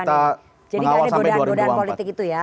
kita mengawal sampai dua ribu dua puluh empat